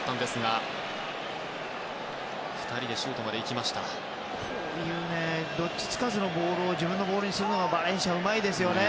ああいうどっちつかずのボールを自分のボールにするのがバレンシアはうまいですよね。